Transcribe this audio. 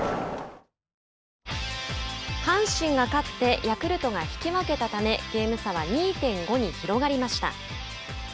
阪神が勝ってヤクルトが引き分けたためゲーム差は２．５に広がりました。